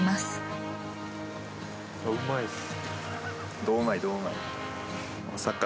うまいです。